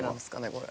これ。